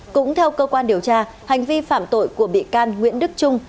cũng theo cơ quan điều tra hành vi phạm tội của bị can nguyễn đức trung